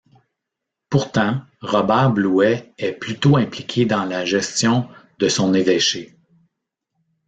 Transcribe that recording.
Pourtant, Robert Blouet est plutôt impliqué dans la gestion de son évêché.